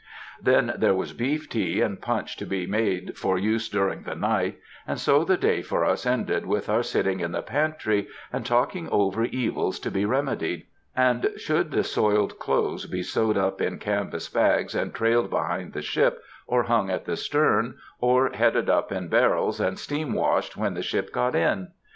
Then there was beef tea and punch to be made for use during the night; and so the day for us ended with our sitting in the pantry and talking over evils to be remedied, and should the soiled clothes be sewed up in canvas bags and trailed behind the ship, or hung at the stern, or headed up in barrels and steam washed when the ship got in?